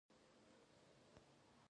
د ایمونوتراپي د بدن دفاع پیاوړې کوي.